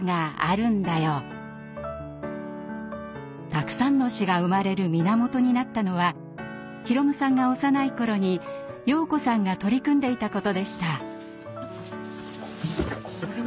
たくさんの詩が生まれる源になったのは宏夢さんが幼い頃に洋子さんが取り組んでいたことでした。